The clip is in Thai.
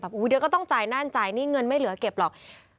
เดี๋ยวก็ต้องจ่ายนั่นจ่ายนี่เงินไม่เหลือเก็บหรอก